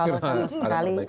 saya tanya terus nih